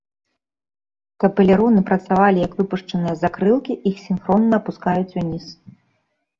Каб элероны працавалі як выпушчаныя закрылкі, іх сінхронна апускаюць уніз.